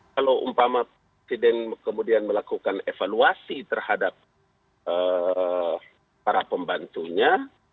kalau umpama presiden kemudian melakukan evaluasi terhadap para pembantunya